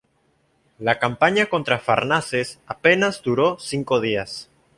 La campaña contra Farnaces apenas duró cinco días.